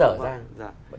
nó dở ra